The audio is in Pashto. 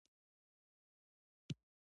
د ملي اقتصاد وده د دولت دنده ده.